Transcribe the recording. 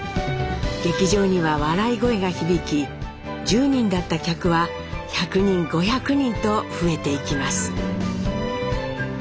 劇場には笑い声が響き１０人だった客は１００人５００人と増えていきます。